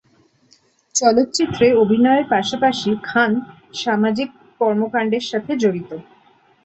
চলচ্চিত্রে অভিনয়ের পাশাপাশি খান সামাজিক কর্মকান্ডের সাথে জড়িত।